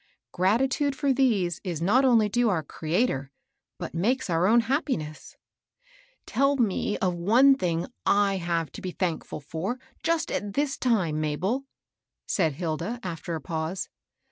Gratitude for these is not only due our Creator, but makes our o¥ni ^^ Tell me of one thing I have to be thankful for, just at this time, Mabel," said Hilda, after a pause.